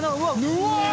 うわ！